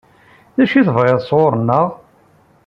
D acu i tebɣiḍ sɣur-neɣ?